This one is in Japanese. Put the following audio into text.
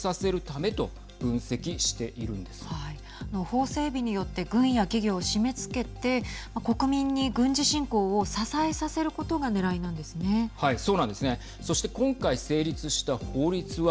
法整備によって軍や企業を締めつけて国民に軍事侵攻を支えさせることがねらいなんですね。